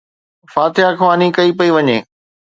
فاتحه خواني ڪئي پئي وڃي